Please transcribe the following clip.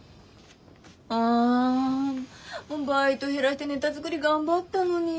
あバイト減らしてネタ作り頑張ったのに。